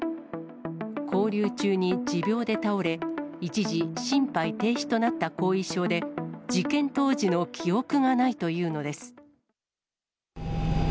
勾留中に持病で倒れ、一時心肺停止となった後遺症で、事件当時の記憶がないというのです。